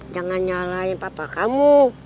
jangan nyalain papa kamu